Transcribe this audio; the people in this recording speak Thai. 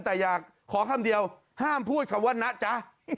แต่อยากขอคำเดียวห้ามพูดคำว่านะจ๊ะ